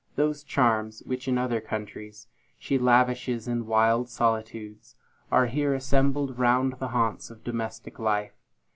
Those charms which, in other countries, she lavishes in wild solitudes, are here assembled round the haunts of domestic life.